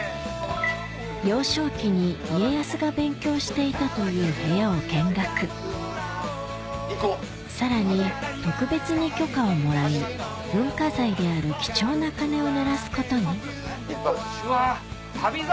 幼少期に家康が勉強していたという部屋を見学さらに特別に許可をもらい文化財である貴重な鐘を鳴らすことに『旅猿』